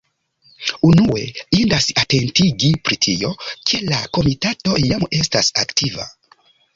Unue indas atentigi pri tio, ke la Komitato jam estas aktiva.